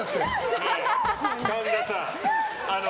神田さん。